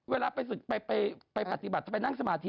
เวลาไปปฏิบัติจะไปนั่งสมาธิ